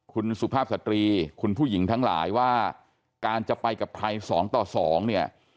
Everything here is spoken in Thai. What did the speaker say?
คุณสุภาพสตรีคุณผู้หญิงทั้งหลายว่าการจะไปกับใครสองต่อสองเนี่ย